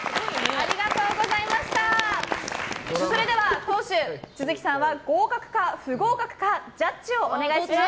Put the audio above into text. それでは党首、都築さんは合格か不合格かジャッジをお願いします。